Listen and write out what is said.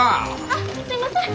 あっすいません。